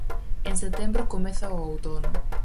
En setembro comeza o outono.